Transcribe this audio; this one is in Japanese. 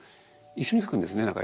一緒に描くんですか？